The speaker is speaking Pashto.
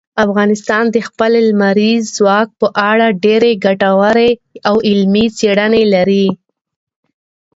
افغانستان د خپل لمریز ځواک په اړه ډېرې ګټورې او علمي څېړنې لري.